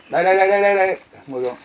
đây đây đây đây mời cô